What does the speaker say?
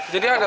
jadi ada pemer